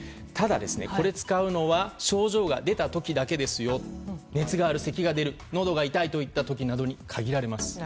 ただですね、これ、使うのは症状が出たときだけですよ、熱がある、せきが出る、のどが痛いといったときなどに限られます。